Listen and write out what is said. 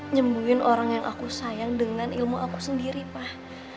nyembuhin orang yang aku sayang dengan ilmu aku sendiri pak